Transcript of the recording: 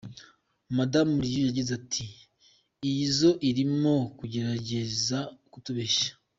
Madamu Liu yagize ati "Iyi zoo irimo kugerageza kutubeshya.